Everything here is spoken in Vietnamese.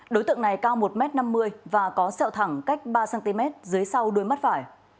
đối tượng này cao một m năm mươi và có sẹo thẳng cách ba cm dưới sau đuôi mắt phải